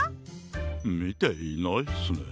みていないっすね。